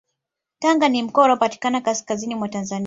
Tanga ni mkoa unaopatikana kaskazini mwa Tanzania